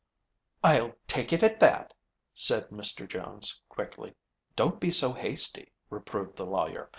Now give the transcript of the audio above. "I'll take it at that," said Mr. Jones quickly. "Don't be so hasty," reproved the lawyer.